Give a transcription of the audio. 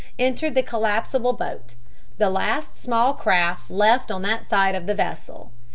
entered the collapsible boat the last small craft left on that side of the vessel.